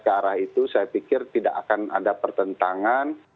ke arah itu saya pikir tidak akan ada pertentangan